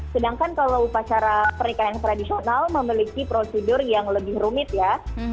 sedangkan kalau upacara pernikahan yang tradisional memiliki prosedur yang lebih rumit ya